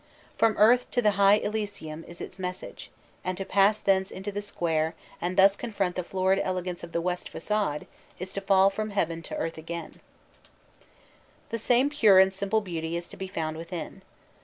From earth to the high elysium is its message, and to pass thence into the square and thus confront the florid elegance of the west facade is to fall from heaven to earth again^ 104 CANADA S HUNDRED DAYS The same pure and simple beauty is to be found within.